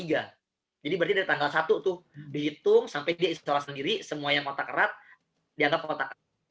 jadi berarti dari tanggal satu tuh dihitung sampai dia isolasi sendiri semua yang kontak erat dianggap kontak erat